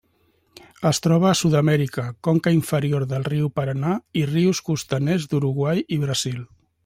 Es troba a Sud-amèrica: conca inferior del riu Paranà i rius costaners d'Uruguai i Brasil.